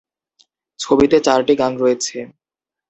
ছবিতে চারটি গান রয়েছে।